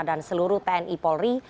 dan seluruh tni polri